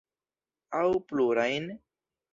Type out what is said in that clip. Aŭ plurajn?